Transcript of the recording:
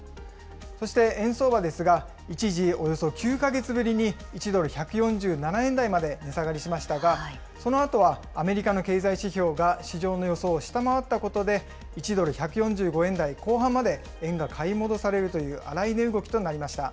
そして円相場ですが、一時およそ９か月ぶりに１ドル１４７円台まで値下がりしましたが、そのあとはアメリカの経済指標が市場の予想を下回ったことで、１ドル１４５円台後半まで円が買い戻されるという荒い値動きとなりました。